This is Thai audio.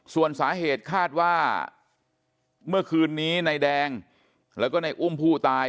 ส่วนสาเหตุคาดว่าเมื่อคืนนี้นายแดงแล้วก็ในอุ้มผู้ตาย